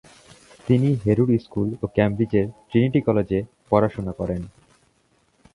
তিনি Harrow school ও কেমব্রিজের ট্রিনিটি কলেজে পড়াশুনা করেন।